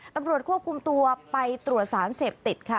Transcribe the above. ตำรวจควบคุมตัวไปตรวจสารเสพติดค่ะ